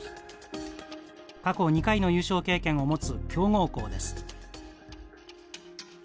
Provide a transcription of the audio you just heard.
過去２回の優勝経験を持つ強豪校です。